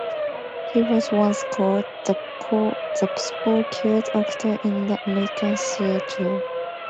He was once called "the spookiest actor in the American theatre".